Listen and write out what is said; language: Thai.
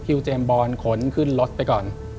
เจมส์บอลขนขึ้นรถไปก่อน